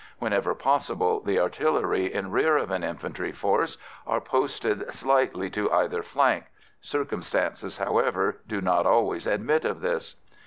Whenever possible, the artillery in rear of an infantry force are posted slightly to either flank; circumstances, however, do not always admit of this.